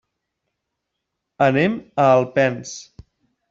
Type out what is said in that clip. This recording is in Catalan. Anem a Alpens.